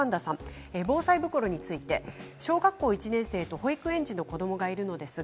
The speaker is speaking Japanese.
防災袋について小学校１年生と保育園児の子どもがいます。